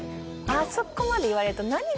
あそこまで言われると。